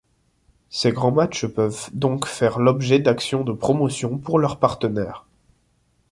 Ces grands matchs peuvent donc faire l'objet d'actions de promotion pour leurs partenaires.